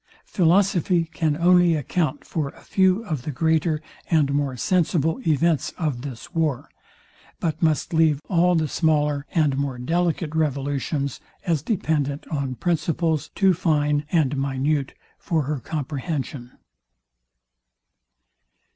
Philosophy can only account for a few of the greater and more sensible events of this war; but must leave all the smaller and more delicate revolutions, as dependent on principles too fine and minute for her comprehension.